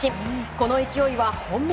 この勢いは本物。